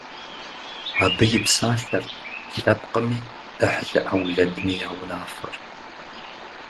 Абы и псалъэрт лъэпкъми, ӏыхьлы-ӏэулэдми я унафэр.